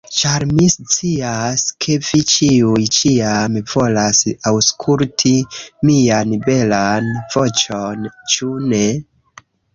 Ĉar, mi scias, ke vi ĉiuj, ĉiam volas aŭskulti mian belan voĉon, ĉu ne?